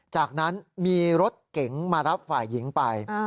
จากนั้นมีรถเก๋งมารับฝ่ายหญิงไป